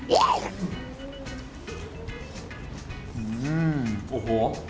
อื้ออื้อโอ้โห